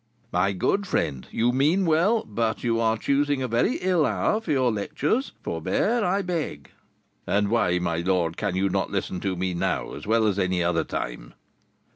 "My good friend, you mean well; but you are choosing a very ill hour for your lectures; forbear, I beg." "And why, my lord, can you not listen to me now, as well as any other time?"